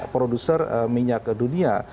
produser minyak dunia